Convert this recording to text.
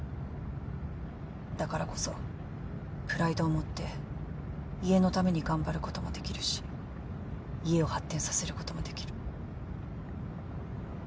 だからこそプライドを持って家のために頑張ることもできるし家を発展させることもできる。